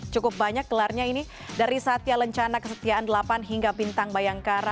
cukup banyak gelarnya ini dari satya lencana kesetiaan delapan hingga bintang bayangkara